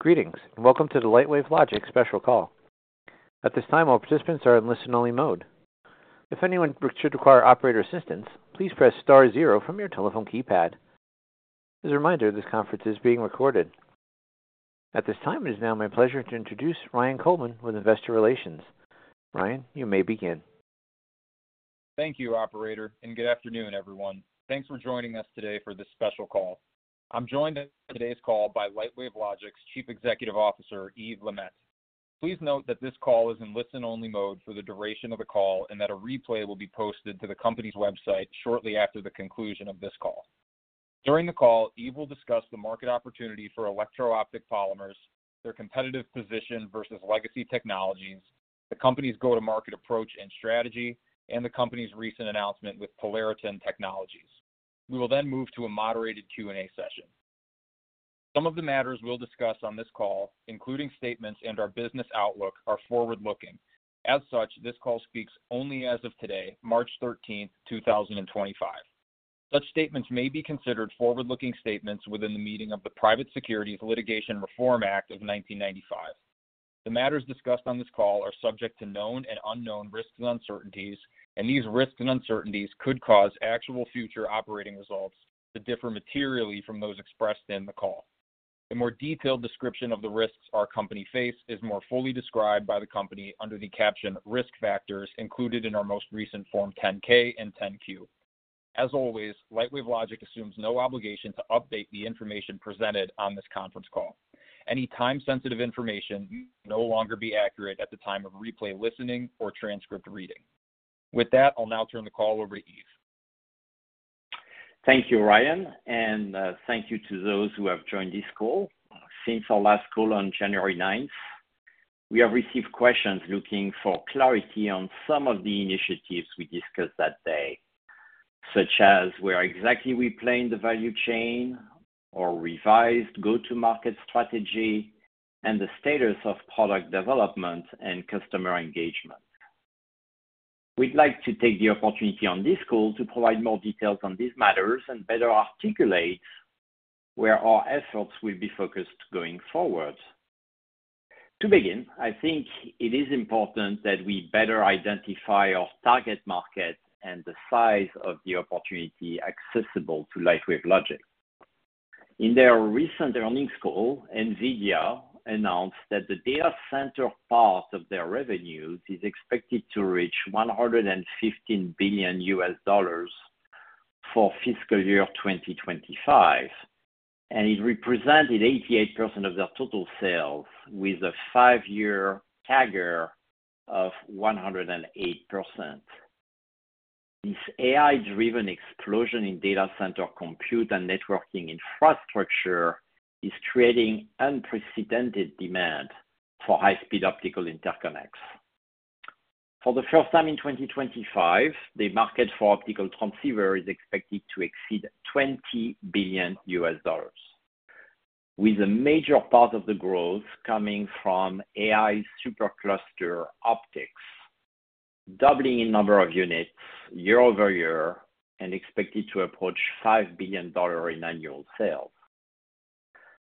Greetings, and welcome to the Lightwave Logic special call. At this time, all participants are in listen-only mode. If anyone should require operator assistance, please press star zero from your telephone keypad. As a reminder, this conference is being recorded. At this time, it is now my pleasure to introduce Ryan Coleman with Investor Relations. Ryan, you may begin. Thank you, Operator, and good afternoon, everyone. Thanks for joining us today for this special call. I'm joined on today's call by Lightwave Logic's Chief Executive Officer, Yves LeMaitre. Please note that this call is in listen-only mode for the duration of the call and that a replay will be posted to the company's website shortly after the conclusion of this call. During the call, Yves will discuss the market opportunity for electro-optic polymers, their competitive position versus legacy technologies, the company's go-to-market approach and strategy, and the company's recent announcement with Polariton Technologies. We will then move to a moderated Q&A session. Some of the matters we'll discuss on this call, including statements and our business outlook, are forward-looking. As such, this call speaks only as of today, March 13th, 2025. Such statements may be considered forward-looking statements within the meaning of the Private Securities Litigation Reform Act of 1995. The matters discussed on this call are subject to known and unknown risks and uncertainties, and these risks and uncertainties could cause actual future operating results to differ materially from those expressed in the call. A more detailed description of the risks our company faces is more fully described by the company under the caption "Risk Factors" included in our most recent Form 10-K and 10-Q. As always, Lightwave Logic assumes no obligation to update the information presented on this conference call. Any time-sensitive information will no longer be accurate at the time of replay listening or transcript reading. With that, I'll now turn the call over to Yves. Thank you, Ryan, and thank you to those who have joined this call. Since our last call on January 9, we have received questions looking for clarity on some of the initiatives we discussed that day, such as where exactly we planned the value chain or revised go-to-market strategy and the status of product development and customer engagement. We'd like to take the opportunity on this call to provide more details on these matters and better articulate where our efforts will be focused going forward. To begin, I think it is important that we better identify our target market and the size of the opportunity accessible to Lightwave Logic. In their recent earnings call, NVIDIA announced that the data center part of their revenues is expected to reach $115 billion for fiscal year 2025, and it represented 88% of their total sales, with a five-year CAGR of 108%. This AI-driven explosion in data center compute and networking infrastructure is creating unprecedented demand for high-speed optical interconnects. For the first time in 2025, the market for optical transceivers is expected to exceed $20 billion, with a major part of the growth coming from AI supercluster optics, doubling in number of units year over year and expected to approach $5 billion in annual sales.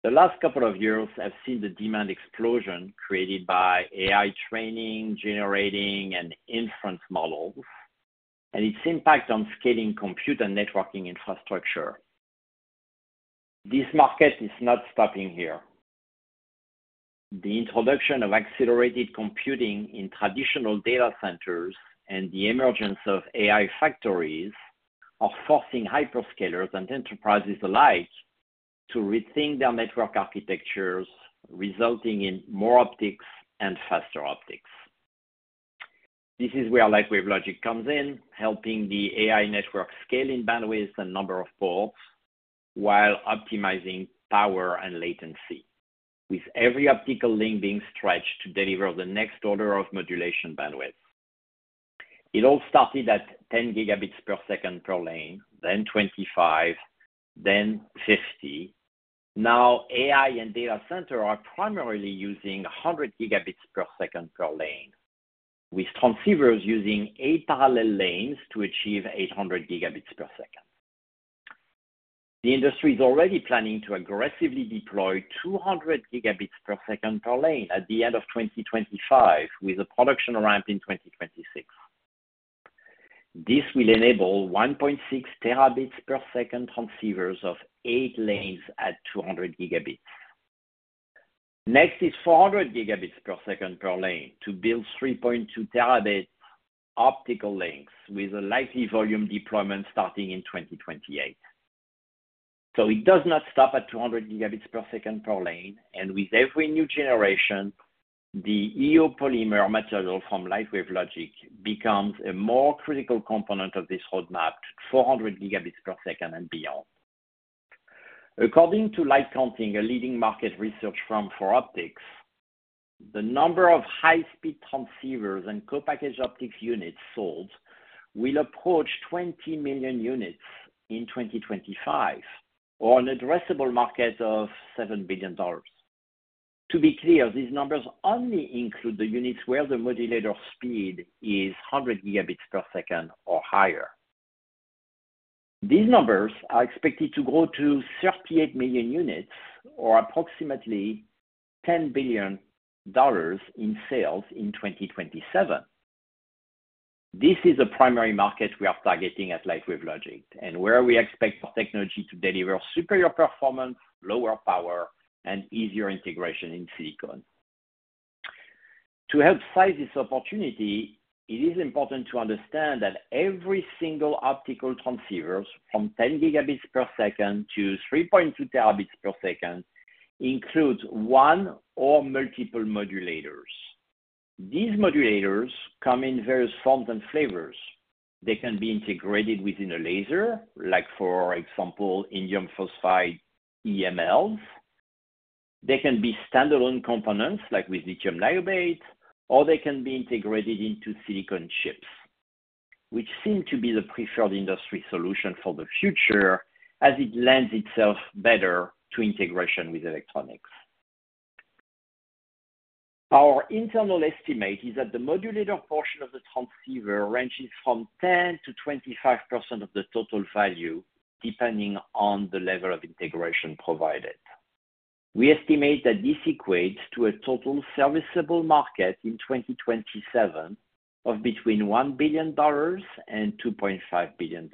The last couple of years have seen the demand explosion created by AI training, generating, and inference models, and its impact on scaling compute and networking infrastructure. This market is not stopping here. The introduction of accelerated computing in traditional data centers and the emergence of AI factories are forcing hyperscalers and enterprises alike to rethink their network architectures, resulting in more optics and faster optics. This is where Lightwave Logic comes in, helping the AI network scale in bandwidth and number of ports while optimizing power and latency, with every optical link being stretched to deliver the next order of modulation bandwidth. It all started at 10 gigabits per second per lane, then 25, then 50. Now, AI and data centers are primarily using 100 gigabits per second per lane, with transceivers using eight parallel lanes to achieve 800 gigabits per second. The industry is already planning to aggressively deploy 200 gigabits per second per lane at the end of 2025, with a production ramp in 2026. This will enable 1.6 terabits per second transceivers of eight lanes at 200 gigabits. Next is 400 gigabits per second per lane to build 3.2 terabit optical links, with a likely volume deployment starting in 2028. It does not stop at 200 gigabits per second per lane, and with every new generation, the EO polymer material from Lightwave Logic becomes a more critical component of this roadmap to 400 gigabits per second and beyond. According to LightCounting, a leading market research firm for optics, the number of high-speed transceivers and co-packaged optics units sold will approach 20 million units in 2025, or an addressable market of $7 billion. To be clear, these numbers only include the units where the modulator speed is 100 gigabits per second or higher. These numbers are expected to grow to 38 million units or approximately $10 billion in sales in 2027. This is a primary market we are targeting at Lightwave Logic, and where we expect the technology to deliver superior performance, lower power, and easier integration in silicon. To help size this opportunity, it is important to understand that every single optical transceiver, from 10 gigabits per second to 3.2 terabits per second, includes one or multiple modulators. These modulators come in various forms and flavors. They can be integrated within a laser, like for example, indium phosphide EMLs. They can be standalone components, like with lithium niobate, or they can be integrated into silicon chips, which seem to be the preferred industry solution for the future, as it lends itself better to integration with electronics. Our internal estimate is that the modulator portion of the transceiver ranges from 10% to 25% of the total value, depending on the level of integration provided. We estimate that this equates to a total serviceable market in 2027 of between $1 billion and $2.5 billion.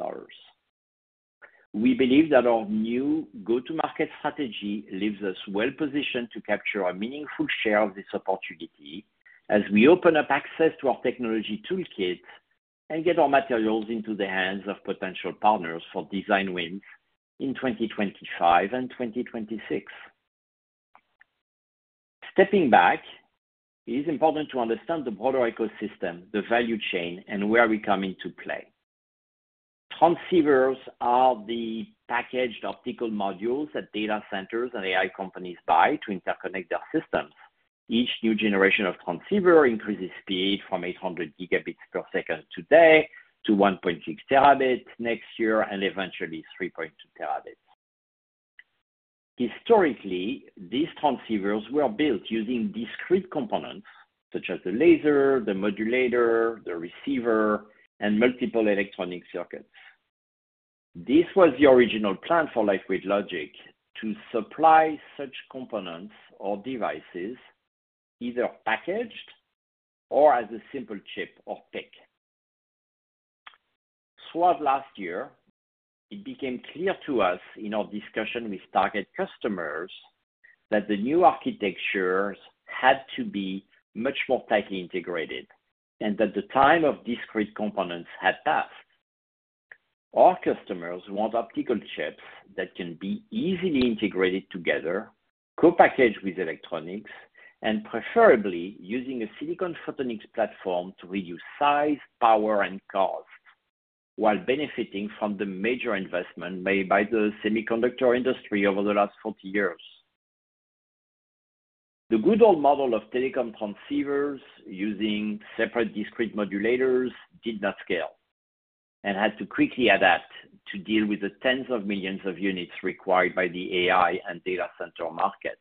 We believe that our new go-to-market strategy leaves us well positioned to capture a meaningful share of this opportunity, as we open up access to our technology toolkit and get our materials into the hands of potential partners for design wins in 2025 and 2026. Stepping back, it is important to understand the broader ecosystem, the value chain, and where we come into play. Transceivers are the packaged optical modules that data centers and AI companies buy to interconnect their systems. Each new generation of transceiver increases speed from 800 gigabits per second today to 1.6 terabits next year and eventually 3.2 terabits. Historically, these transceivers were built using discrete components such as the laser, the modulator, the receiver, and multiple electronic circuits. This was the original plan for Lightwave Logic to supply such components or devices either packaged or as a simple chip or PIC. Throughout last year, it became clear to us in our discussion with target customers that the new architectures had to be much more tightly integrated and that the time of discrete components had passed. Our customers want optical chips that can be easily integrated together, co-packaged with electronics, and preferably using a silicon photonics platform to reduce size, power, and cost, while benefiting from the major investment made by the semiconductor industry over the last 40 years. The good old model of telecom transceivers using separate discrete modulators did not scale and had to quickly adapt to deal with the tens of millions of units required by the AI and data center market.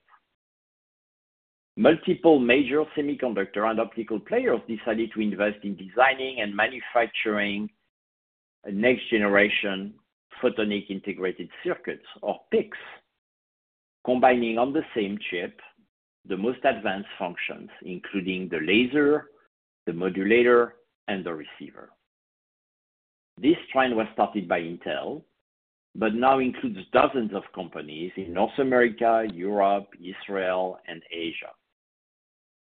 Multiple major semiconductor and optical players decided to invest in designing and manufacturing next-generation photonic integrated circuits, or PICs, combining on the same chip the most advanced functions, including the laser, the modulator, and the receiver. This trend was started by Intel, but now includes dozens of companies in North America, Europe, Israel, and Asia.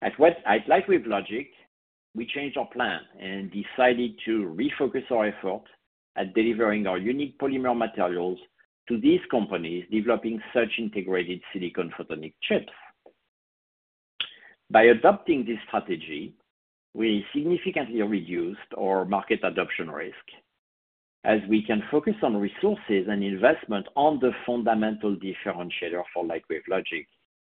At Lightwave Logic, we changed our plan and decided to refocus our effort at delivering our unique polymer materials to these companies developing such integrated silicon photonic chips. By adopting this strategy, we significantly reduced our market adoption risk, as we can focus on resources and investment on the fundamental differentiator for Lightwave Logic,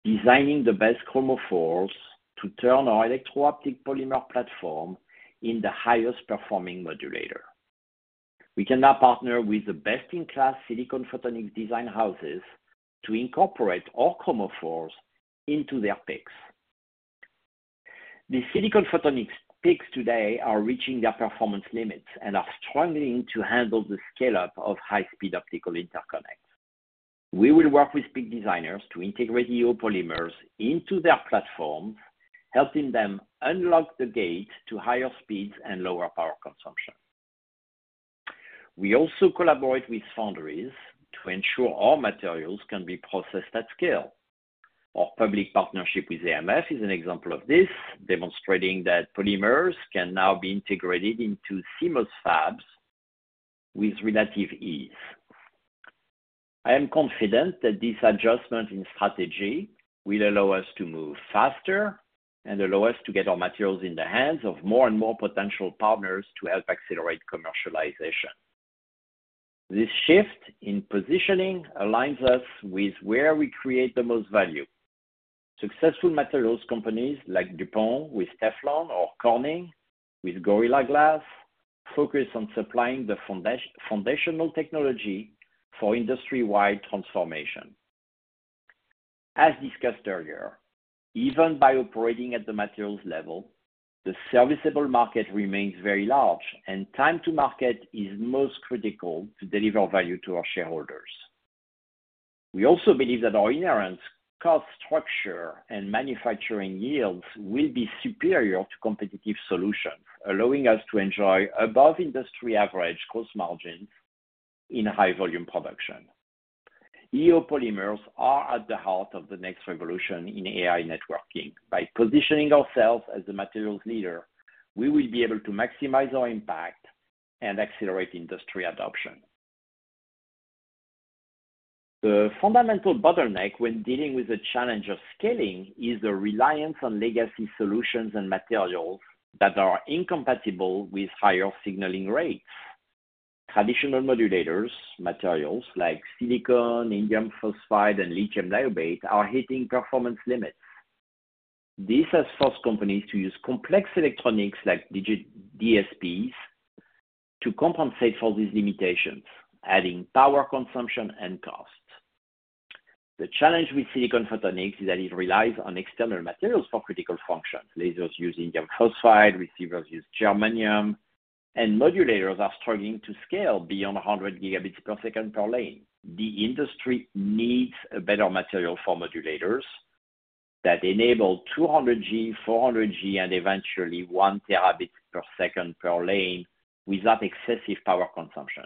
designing the best chromophores to turn our electro-optic polymer platform into the highest-performing modulator. We can now partner with the best-in-class silicon photonics design houses to incorporate our chromophores into their PICs. The silicon photonics PICs today are reaching their performance limits and are struggling to handle the scale-up of high-speed optical interconnects. We will work with PIC designers to integrate EO polymers into their platforms, helping them unlock the gate to higher speeds and lower power consumption. We also collaborate with foundries to ensure our materials can be processed at scale. Our public partnership with AIM Photonics is an example of this, demonstrating that polymers can now be integrated into CMOS fabs with relative ease. I am confident that this adjustment in strategy will allow us to move faster and allow us to get our materials in the hands of more and more potential partners to help accelerate commercialization. This shift in positioning aligns us with where we create the most value. Successful materials companies like DuPont with Teflon or Corning with Gorilla Glass focus on supplying the foundational technology for industry-wide transformation. As discussed earlier, even by operating at the materials level, the serviceable market remains very large, and time to market is most critical to deliver value to our shareholders. We also believe that our inherent cost structure and manufacturing yields will be superior to competitive solutions, allowing us to enjoy above-industry-average gross margins in high-volume production. EO polymers are at the heart of the next revolution in AI networking. By positioning ourselves as the materials leader, we will be able to maximize our impact and accelerate industry adoption. The fundamental bottleneck when dealing with the challenge of scaling is the reliance on legacy solutions and materials that are incompatible with higher signaling rates. Traditional modulators, materials like silicon, indium phosphide, and lithium niobate, are hitting performance limits. This has forced companies to use complex electronics like digital signal processors to compensate for these limitations, adding power consumption and cost. The challenge with silicon photonics is that it relies on external materials for critical functions. Lasers use indium phosphide, receivers use germanium, and modulators are struggling to scale beyond 100 gigabits per second per lane. The industry needs a better material for modulators that enable 200G, 400G, and eventually 1 terabit per second per lane without excessive power consumption.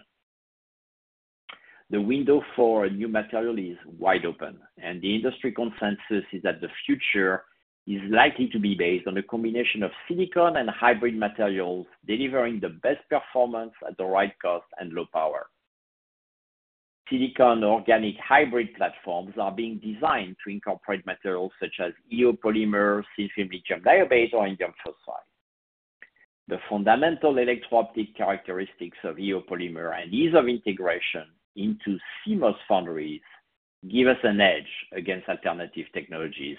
The window for a new material is wide open, and the industry consensus is that the future is likely to be based on a combination of silicon and hybrid materials delivering the best performance at the right cost and low power. Silicon organic hybrid platforms are being designed to incorporate materials such as EO polymer, lithium niobate on silicon, or indium phosphide. The fundamental electro-optic characteristics of EO polymer and ease of integration into CMOS foundries give us an edge against alternative technologies: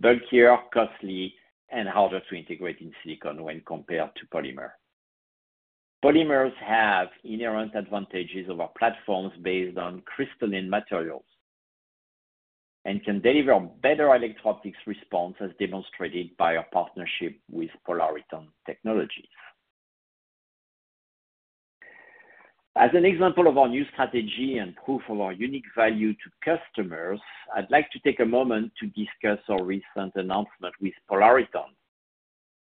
bulkier, costly, and harder to integrate in silicon when compared to polymer. Polymers have inherent advantages over platforms based on crystalline materials and can deliver better electro-optics response, as demonstrated by our partnership with Polariton Technologies. As an example of our new strategy and proof of our unique value to customers, I'd like to take a moment to discuss our recent announcement with Polariton.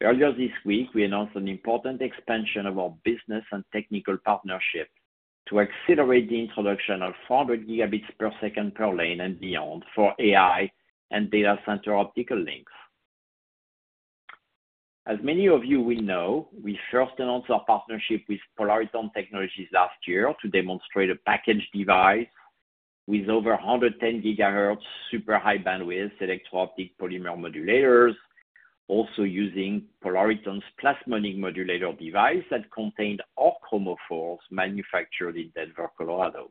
Earlier this week, we announced an important expansion of our business and technical partnership to accelerate the introduction of 400 gigabits per second per lane and beyond for AI and data center optical links. As many of you will know, we first announced our partnership with Polariton Technologies last year to demonstrate a packaged device with over 110 gigahertz super high bandwidth electro-optic polymer modulators, also using Polariton's plasmonic modulator device that contained our chromophores manufactured in Denver, Colorado.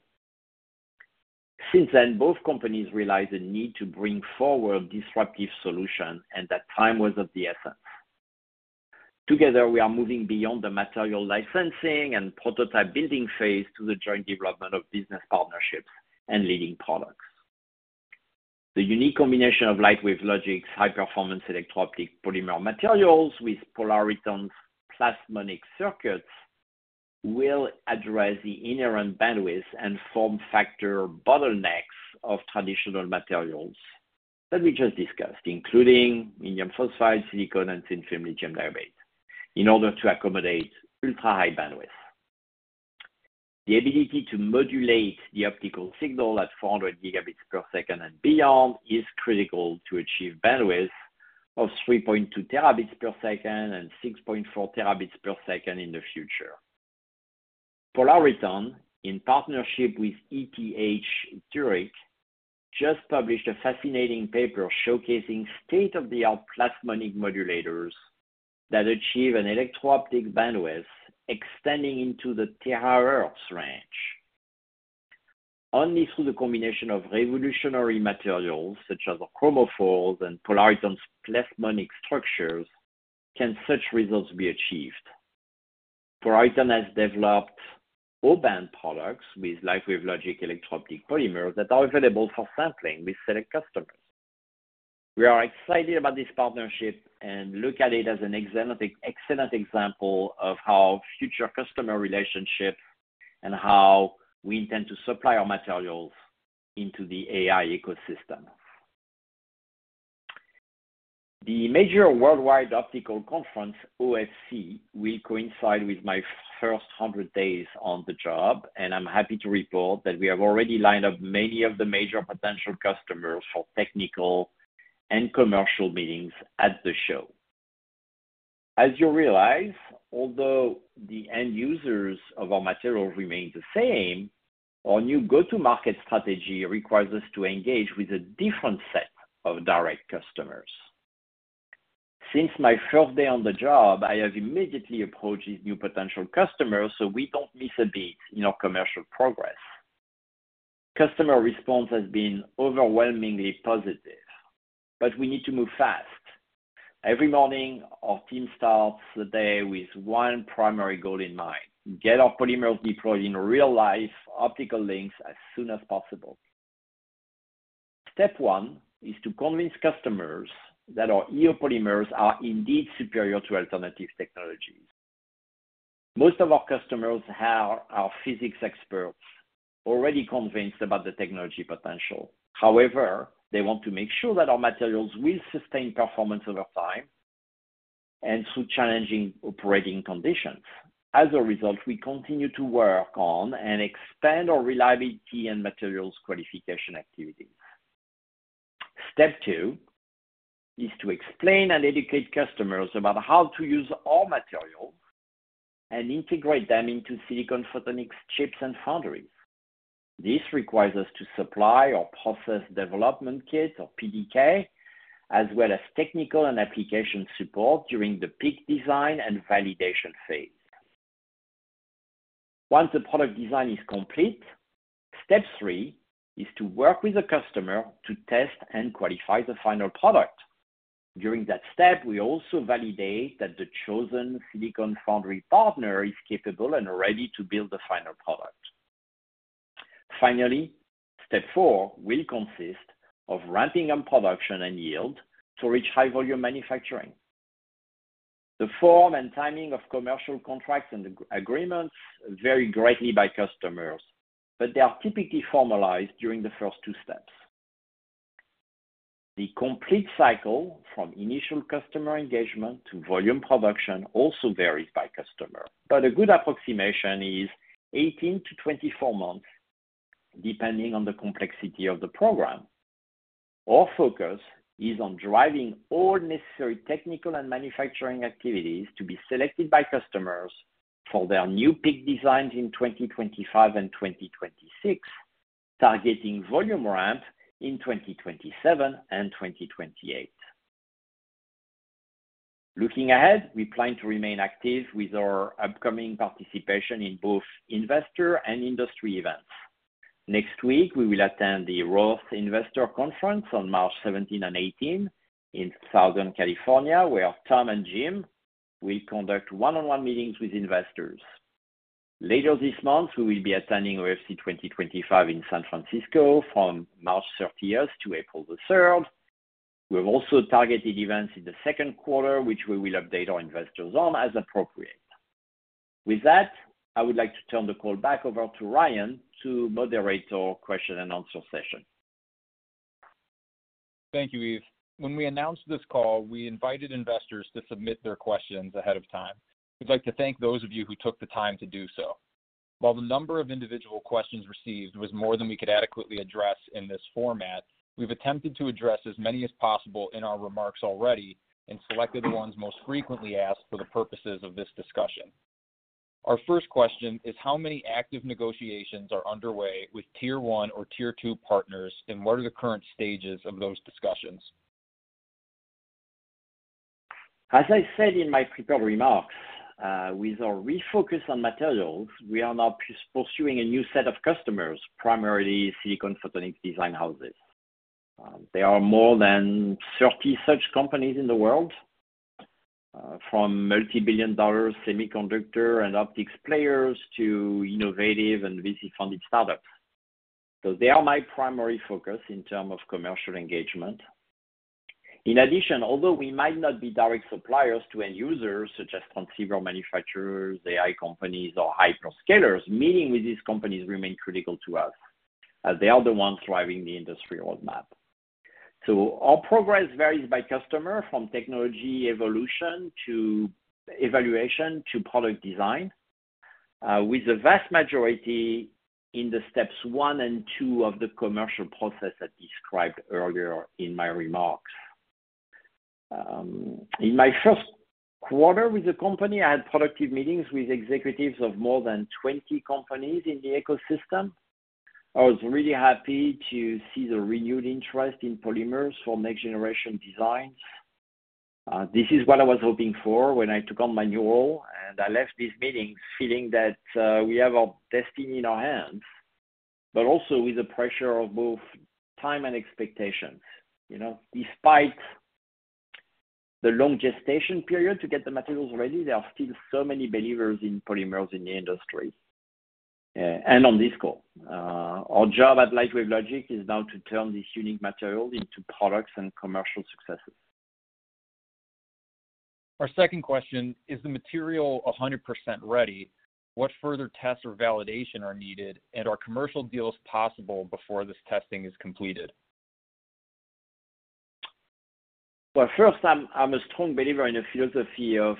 Since then, both companies realized the need to bring forward disruptive solutions, and that time was of the essence. Together, we are moving beyond the material licensing and prototype building phase to the joint development of business partnerships and leading products. The unique combination of Lightwave Logic's high-performance electro-optic polymer materials with Polariton's plasmonic circuits will address the inherent bandwidth and form factor bottlenecks of traditional materials that we just discussed, including indium phosphide, silicon, and silicon lithium niobate, in order to accommodate ultra-high bandwidth. The ability to modulate the optical signal at 400 gigabits per second and beyond is critical to achieve bandwidth of 3.2 terabits per second and 6.4 terabits per second in the future. Polariton, in partnership with ETH Zürich, just published a fascinating paper showcasing state-of-the-art plasmonic modulators that achieve an electro-optic bandwidth extending into the terahertz range. Only through the combination of revolutionary materials such as the chromophores and Polariton's plasmonic structures can such results be achieved. Polariton has developed O-band products with Lightwave Logic electro-optic polymers that are available for sampling with select customers. We are excited about this partnership and look at it as an excellent example of our future customer relationship and how we intend to supply our materials into the AI ecosystem. The major worldwide optical conference, OFC, will coincide with my first 100 days on the job, and I'm happy to report that we have already lined up many of the major potential customers for technical and commercial meetings at the show. As you realize, although the end users of our materials remain the same, our new go-to-market strategy requires us to engage with a different set of direct customers. Since my first day on the job, I have immediately approached these new potential customers so we don't miss a beat in our commercial progress. Customer response has been overwhelmingly positive, but we need to move fast. Every morning, our team starts the day with one primary goal in mind: get our polymers deployed in real-life optical links as soon as possible. Step one is to convince customers that our EO polymers are indeed superior to alternative technologies. Most of our customers are physics experts already convinced about the technology potential. However, they want to make sure that our materials will sustain performance over time and through challenging operating conditions. As a result, we continue to work on and expand our reliability and materials qualification activities. Step two is to explain and educate customers about how to use our materials and integrate them into silicon photonics chips and foundries. This requires us to supply our process development kit, or PDK, as well as technical and application support during the PIC design and validation phase. Once the product design is complete, step three is to work with the customer to test and qualify the final product. During that step, we also validate that the chosen silicon foundry partner is capable and ready to build the final product. Finally, step four will consist of ramping up production and yield to reach high-volume manufacturing. The form and timing of commercial contracts and agreements vary greatly by customers, but they are typically formalized during the first two steps. The complete cycle from initial customer engagement to volume production also varies by customer, but a good approximation is 18 to 24 months depending on the complexity of the program. Our focus is on driving all necessary technical and manufacturing activities to be selected by customers for their new PIC designs in 2025 and 2026, targeting volume ramp in 2027 and 2028. Looking ahead, we plan to remain active with our upcoming participation in both investor and industry events. Next week, we will attend the Roth Investor Conference on March 17 and 18 in Southern California, where Tom and Jim will conduct one-on-one meetings with investors. Later this month, we will be attending OFC 2025 in San Francisco from March 30 to April the 3rd. We have also targeted events in the second quarter, which we will update our investors on as appropriate. With that, I would like to turn the call back over to Ryan to moderate our question-and-answer session. Thank you, Yves. When we announced this call, we invited investors to submit their questions ahead of time. We'd like to thank those of you who took the time to do so. While the number of individual questions received was more than we could adequately address in this format, we've attempted to address as many as possible in our remarks already and selected the ones most frequently asked for the purposes of this discussion. Our first question is: how many active negotiations are underway with tier one or tier two partners, and what are the current stages of those discussions? As I said in my prepared remarks, with our refocus on materials, we are now pursuing a new set of customers, primarily silicon photonics design houses. There are more than 30 such companies in the world, from multi-billion dollar semiconductor and optics players to innovative and VC-funded startups. They are my primary focus in terms of commercial engagement. In addition, although we might not be direct suppliers to end users such as transceiver manufacturers, AI companies, or hyperscalers, meeting with these companies remains critical to us, as they are the ones driving the industry roadmap. Our progress varies by customer, from technology evolution to evaluation to product design, with the vast majority in the steps one and two of the commercial process I described earlier in my remarks. In my first quarter with the company, I had productive meetings with executives of more than 20 companies in the ecosystem. I was really happy to see the renewed interest in polymers for next-generation designs. This is what I was hoping for when I took on my new role, and I left these meetings feeling that we have our destiny in our hands, but also with the pressure of both time and expectations. Despite the long gestation period to get the materials ready, there are still so many believers in polymers in the industry and on this call. Our job at Lightwave Logic is now to turn these unique materials into products and commercial successes. Our second question is: is the material 100% ready? What further tests or validation are needed, and are commercial deals possible before this testing is completed? First, I'm a strong believer in a philosophy of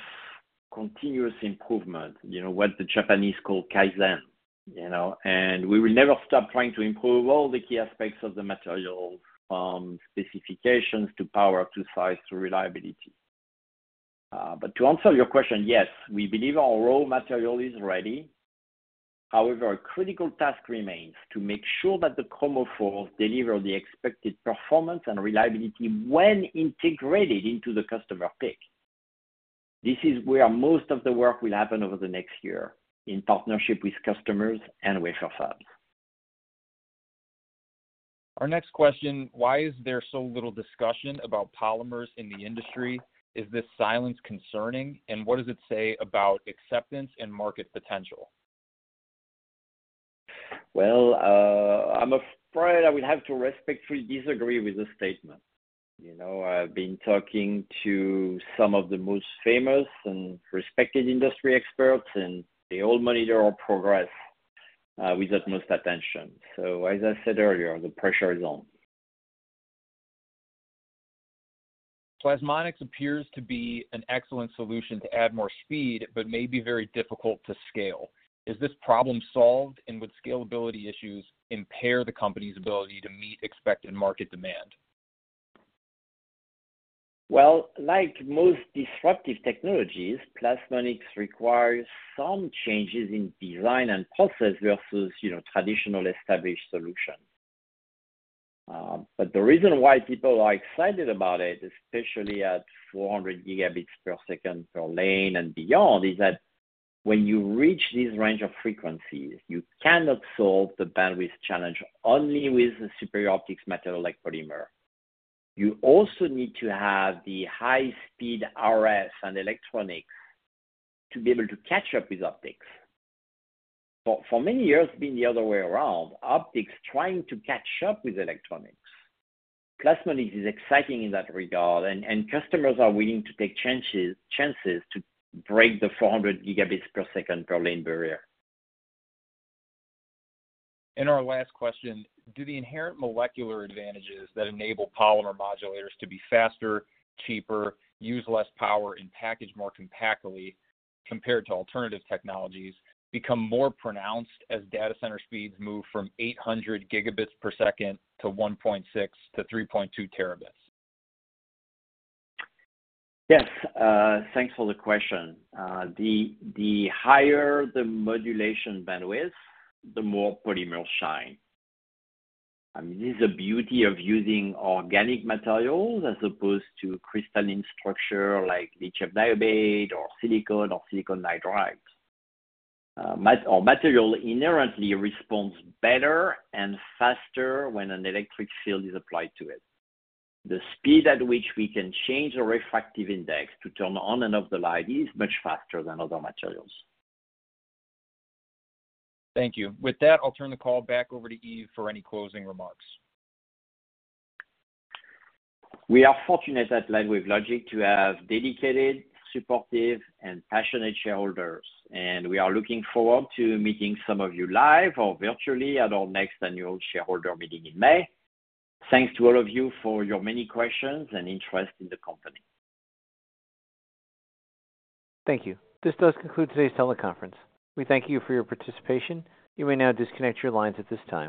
continuous improvement, what the Japanese call kaizen. We will never stop trying to improve all the key aspects of the materials, from specifications to power to size to reliability. To answer your question, yes, we believe our raw material is ready. However, a critical task remains to make sure that the chromophores deliver the expected performance and reliability when integrated into the customer PIC. This is where most of the work will happen over the next year in partnership with customers and with our fabs. Our next question: why is there so little discussion about polymers in the industry? Is this silence concerning, and what does it say about acceptance and market potential? I am afraid I will have to respectfully disagree with this statement. I have been talking to some of the most famous and respected industry experts, and they all monitor our progress with utmost attention. As I said earlier, the pressure is on. Plasmonics appears to be an excellent solution to add more speed but may be very difficult to scale. Is this problem solved, and would scalability issues impair the company's ability to meet expected market demand? Like most disruptive technologies, plasmonics require some changes in design and process versus traditional established solutions. The reason why people are excited about it, especially at 400 gigabits per second per lane and beyond, is that when you reach these range of frequencies, you cannot solve the bandwidth challenge only with a superior optics material like polymer. You also need to have the high-speed RF and electronics to be able to catch up with optics. For many years, it's been the other way around: optics trying to catch up with electronics. Plasmonics is exciting in that regard, and customers are willing to take chances to break the 400 gigabits per second per lane barrier. In our last question, do the inherent molecular advantages that enable polymer modulators to be faster, cheaper, use less power, and package more compactly compared to alternative technologies become more pronounced as data center speeds move from 800 gigabits per second to 1.6 to 3.2 terabits? Yes. Thanks for the question. The higher the modulation bandwidth, the more polymers shine. I mean, this is the beauty of using organic materials as opposed to crystalline structure like lithium niobate or silicon or silicon nitride. Our material inherently responds better and faster when an electric field is applied to it. The speed at which we can change the refractive index to turn on and off the light is much faster than other materials. Thank you. With that, I'll turn the call back over to Yves for any closing remarks. We are fortunate at Lightwave Logic to have dedicated, supportive, and passionate shareholders, and we are looking forward to meeting some of you live or virtually at our next annual shareholder meeting in May. Thanks to all of you for your many questions and interest in the company. Thank you. This does conclude today's teleconference. We thank you for your participation. You may now disconnect your lines at this time.